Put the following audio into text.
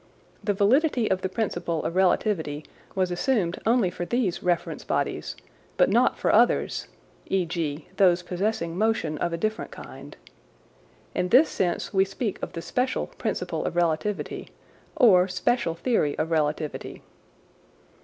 The validity of the principle of relativity was assumed only for these reference bodies, but not for others (e.g. those possessing motion of a different kind). In this sense we speak of the special principle of relativity, or special theory of relativity.